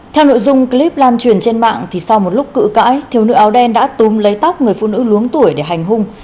theo nội dung clip lan truyền trên mạng thì sau một lúc cự cãi thiếu nữ áo đen đã túm lấy tóc người phụ nữ luống tuổi để hành hung